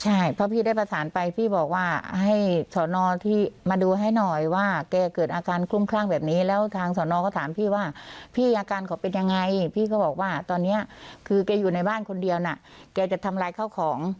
ใช่เพราะพี่ได้ประสานไปพี่บอกว่าให้สอนอที่มาดูให้หน่อยว่าแกเกิดอาการคลุ้มคลั่งแบบนี้แล้วทางสอนอก็ถามพี่ว่าพี่อาการเขาเป็นยังไงพี่ก็บอกว่าตอนนี้คือแกอยู่ในบ้านคนเดียวน่ะแกจะทำลายข้าวของ